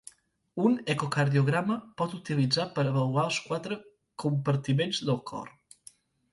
Un ecocardiograma pot utilitzar per avaluar els quatre compartiments del cor.